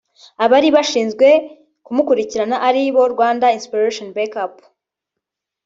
abari bashinzwe kumukurikirana ari bo Rwanda Inspiration Back Up